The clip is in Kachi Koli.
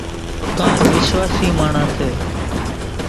ڪانڪ وِشواشِي ماڻۿان سي۔